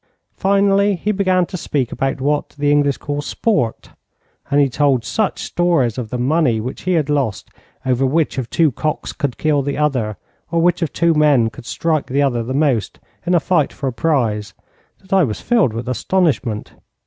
Finally, he began to speak about what the English call sport, and he told such stories of the money which he had lost over which of two cocks could kill the other, or which of two men could strike the other the most in a fight for a prize, that I was filled with astonishment.